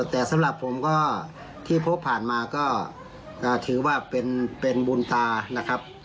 แต่สำหรับผมก็ที่พบผ่านมาก็ถือว่าเป็นบุญตานะครับ